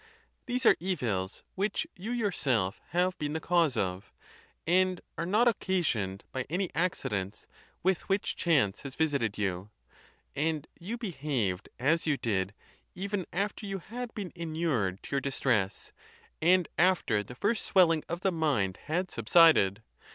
these are evils which you yourself have been the cause of, and are not occasioned by any accidents with which chance has visited you; and you behaved as you did, even after you had been inured to your distress, and after the first swelling of the mind had subsided